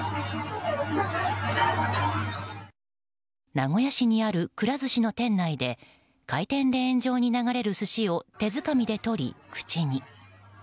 名古屋市にあるくら寿司の店内で回転レーン上に流れる寿司を手づかみで取り、口に。